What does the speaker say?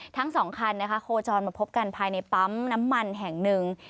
ทั้งสองคันนะคะโคจรมาพบกันภายในปั๊มน้ำมันแห่งหนึ่ง